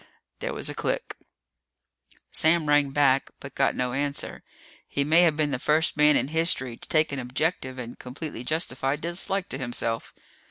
There was a click. Sam rang back, but got no answer. He may have been the first man in history to take an objective and completely justified dislike to himself.